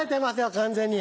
完全に。